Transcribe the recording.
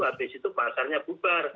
habis itu pasarnya bubar